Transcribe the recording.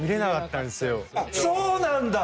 そうなんだ！